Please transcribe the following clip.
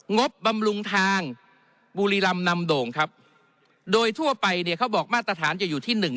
บบำรุงทางบุรีรำนำโด่งครับโดยทั่วไปเนี่ยเขาบอกมาตรฐานจะอยู่ที่หนึ่ง